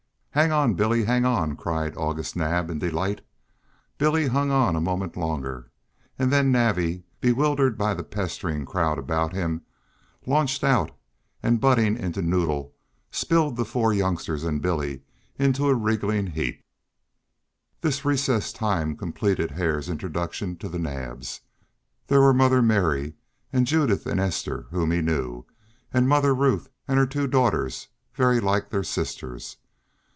"Hang on, Billy, hang on," cried August Naab, in delight. Billy hung on a moment longer, and then Navvy, bewildered by the pestering crowd about him, launched out and, butting into Noddle, spilled the four youngsters and Billy also into a wriggling heap. This recess time completed Hare's introduction to the Naabs. There were Mother Mary, and Judith and Esther, whom he knew, and Mother Ruth and her two daughters very like their sisters.